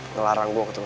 ngelarang gue ketemu